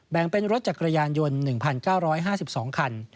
เป็นรถจักรยานยนต์๑๙๕๒คัน